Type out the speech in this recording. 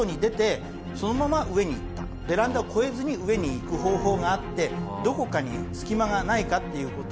ベランダを越えずに上に行く方法があってどこかに隙間がないかっていう事を。